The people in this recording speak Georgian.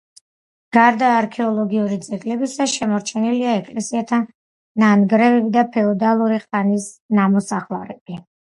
გარდა არქეოლოგიური ძეგლებისა შემორჩენილია ეკლესიათა ნანგრევები და ფეოდალური ხანის ნამოსახლარები.